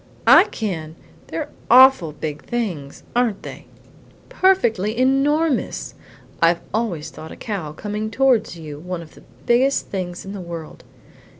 "I can! They're awful big things, aren't they?" "Perfectly enormous! I've always thought a cow coming towards you one of the biggest things in the world."